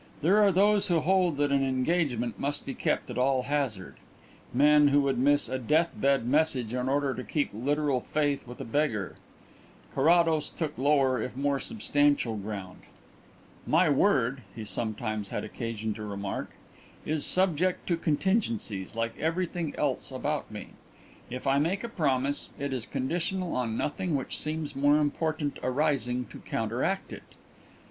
There are those who hold that an engagement must be kept at all hazard: men who would miss a death bed message in order to keep literal faith with a beggar. Carrados took lower, if more substantial, ground. "My word," he sometimes had occasion to remark, "is subject to contingencies, like everything else about me. If I make a promise it is conditional on nothing which seems more important arising to counteract it.